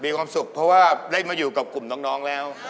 มีความสุขเพราะว่าได้มาอยู่กับกลุ่มน้องแล้ว